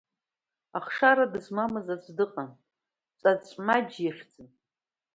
Ахшара дызмамыз аӡә дыҟан, Ҵәаҵәмаџь ихьӡын.